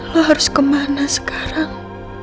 lo harus kemana sekarang